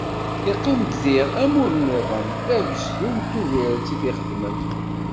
Iqqim-d diɣ amur-nniḍen d agezdu n Tubiret i t-ixeddmen.